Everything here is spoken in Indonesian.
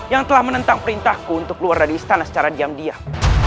yang telah menentang perintahku untuk keluar dari istana secara diam diam